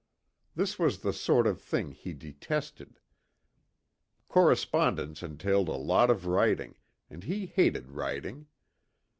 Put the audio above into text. This was the sort of thing he detested. Correspondence entailed a lot of writing, and he hated writing.